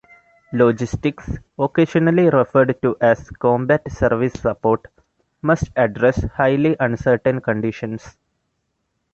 Logistics, occasionally referred to as "combat service support", must address highly uncertain conditions.